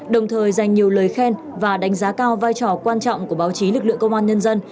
đồng thời dành nhiều lời khen và đánh giá cao vai trò quan trọng của báo chí lực lượng công an nhân dân